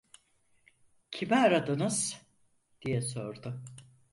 "Kimi aradınız?" diye sordu.